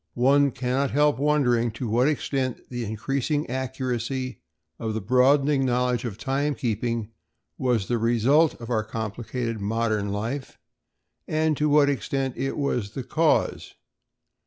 One cannot help wondering to what extent the increasing accuracy of the broadening knowledge of time keeping was the result of our complicated modern life and to what extent it was the cause.